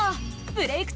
「ブレイクッ！